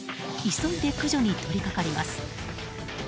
急いで駆除に取りかかります。